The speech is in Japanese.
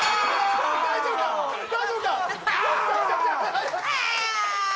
大丈夫か？